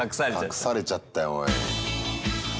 隠されちゃったよおい。